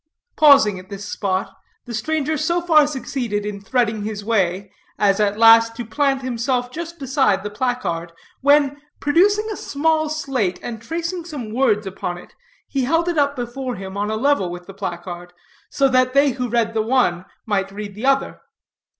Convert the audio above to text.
Pausing at this spot, the stranger so far succeeded in threading his way, as at last to plant himself just beside the placard, when, producing a small slate and tracing some words upon if, he held it up before him on a level with the placard, so that they who read the one might read the other.